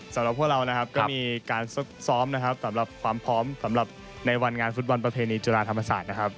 สำหรับพวกเรานะครับก็มีการซ้อมนะครับสำหรับความพร้อมสำหรับในวันงานฟุตบอลประเพณีจุฬาธรรมศาสตร์นะครับ